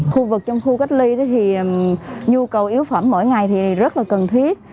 khu vực trong khu cách ly thì nhu cầu yếu phẩm mỗi ngày thì rất là cần thiết